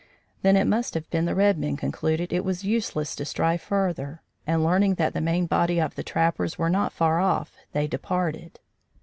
Then it must have been the red men concluded it was useless to strive further, and, learning that the main body of the trappers were not far off, they departed.